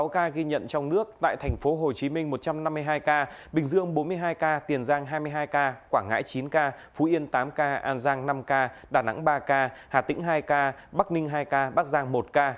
sáu ca ghi nhận trong nước tại tp hcm một trăm năm mươi hai ca bình dương bốn mươi hai ca tiền giang hai mươi hai ca quảng ngãi chín ca phú yên tám ca an giang năm ca đà nẵng ba ca hà tĩnh hai ca bắc ninh hai ca bắc giang một ca